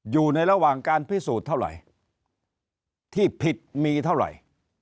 อยู่ในระหว่างการพิสูจน์เท่าไหร่ที่ผิดมีเท่าไหร่